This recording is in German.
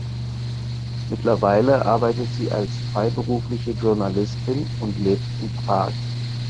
Mittlerweile arbeitet sie als freiberufliche Journalistin und lebt in Prag.